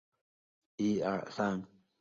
堪察加彼得巴夫洛夫斯克。